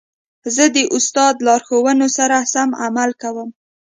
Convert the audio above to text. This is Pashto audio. زه د استاد د لارښوونو سره سم عمل کوم.